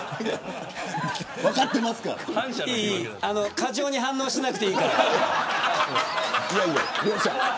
過剰に反応しなくていいから。